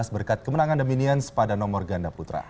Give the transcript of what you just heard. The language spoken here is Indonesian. berkat kemenangan the minions pada nomor ganda putra